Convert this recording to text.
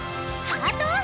ハートを！